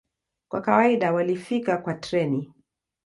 Kwa kawaida walifika kwa treni.